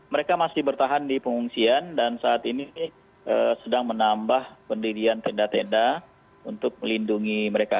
mereka masih bertahan di pengungsian dan saat ini sedang menambah pendirian tenda tenda untuk melindungi mereka